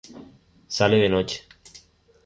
Sale de noche.